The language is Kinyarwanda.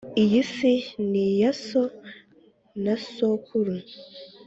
Iyi si ni iya so na sokuru